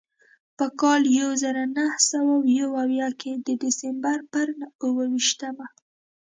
په کال یو زر نهه سوه یو اویا کې د ډسمبر پر اوه ویشتمه.